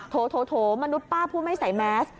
โถโถโถมนุษย์ป้าผู้ไม่ใส่แม็กซ์